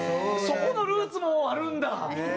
そこのルーツもあるんだ。